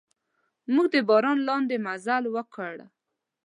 موږ د باران لاندې مزل وکړ.